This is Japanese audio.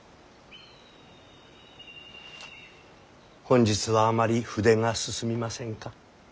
本日はあまり筆が進みませんか。